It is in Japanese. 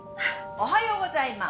おはようございます。